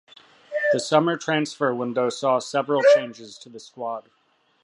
The summer transfer window saw several changes to the squad.